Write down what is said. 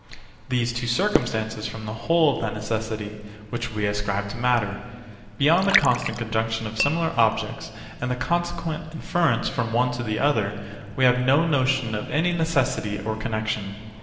These two circumstances form the whole of that necessity, which we ascribe to matter. Beyond the constant conjunction of similar objects, and the consequent inference from one to the other, we have no notion of any necessity or connexion.